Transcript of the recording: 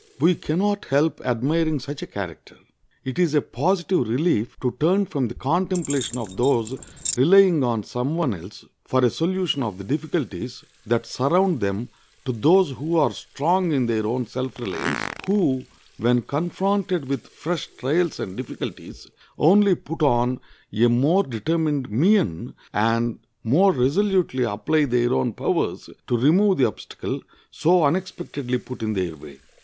We can not help admiring such a character. It is a positive relief to turn from the contemplation of those relying on some one else for a solution of the difficulties that surround them to those who are strong in their own self reliance, who, when confronted with fresh trials and difficulties, only put on a more determined mien, and more resolutely apply their own powers to remove the obstacle so unexpectedly put in their way.